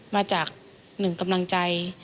มาจากหนึ่งกำลังใจ